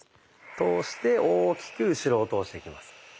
通して大きく後ろを通していきます。